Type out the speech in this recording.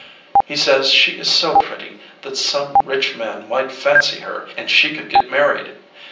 He says she is so pretty that some rich man might fancy her, and she could get mar ried.